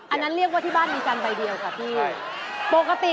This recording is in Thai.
อันนั้นเรียกว่าที่บ้านมีกันไปเดียวกันครับพี่